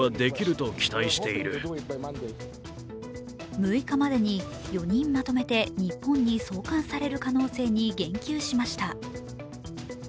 ６日までに、４人まとめて、日本に送還される可能性に言及しました。